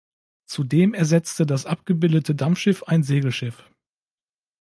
Zudem ersetzte das abgebildete Dampfschiff ein Segelschiff.